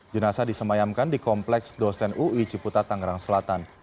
jenasa disemayamkan di kompleks dosen ui ciputa tanggerang selatan